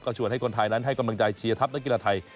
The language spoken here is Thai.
ชวนให้คนไทยนั้นให้กำลังใจเชียร์ทัพนักกีฬาไทย